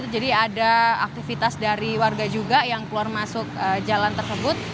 jadi ada aktivitas dari warga juga yang keluar masuk jalan tersebut